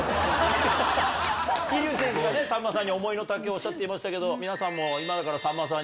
桐生選手さんまさんに思いの丈おっしゃっていましたけど皆さんも今だからさんまさん。